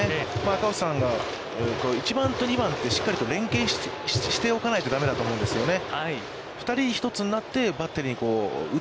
赤星さんが１番と２番って、しっかりと連係しておかないとだめだと思うんですよね。